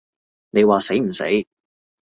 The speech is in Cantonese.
你話死唔死？